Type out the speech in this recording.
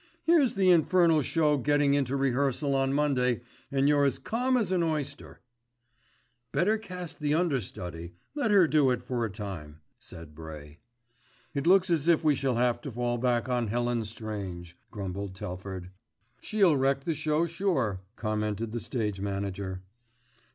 "Here's the infernal show getting into rehearsal on Monday, and you're as calm as an oyster." "Better cast the understudy, let her do it for a time," said Bray. "It looks as if we shall have to fall back on Helen Strange," grumbled Telford. "She'll wreck the show, sure," commented the stage manager.